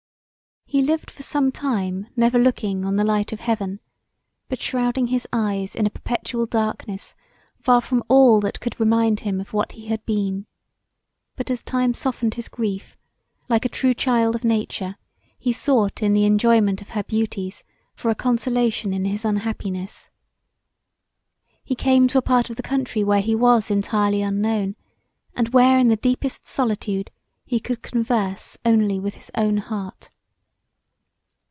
He lived for some time never looking on the light of heaven but shrouding his eyes in a perpetual darkness far from all that could remind him of what he had been; but as time softened his grief like a true child of Nature he sought in the enjoyment of her beauties for a consolation in his unhappiness. He came to a part of the country where he was entirely unknown and where in the deepest solitude he could converse only with his own heart.